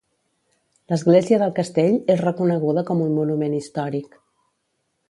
L'església del castell és reconeguda com un monument històric.